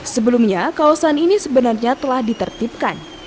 sebelumnya kawasan ini sebenarnya telah ditertibkan